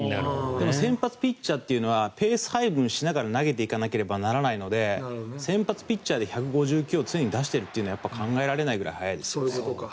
でも先発ピッチャーというのはペース配分しながら投げなければいけないので先発ピッチャーで１５９ｋｍを常に投げてるのは考えられないぐらい速いです。